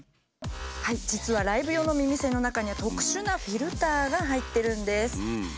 実はライブ用の耳栓の中には特殊なフィルターが入ってるんです。